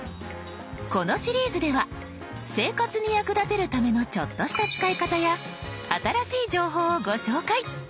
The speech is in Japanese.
このシリーズでは生活に役立てるためのちょっとした使い方や新しい情報をご紹介。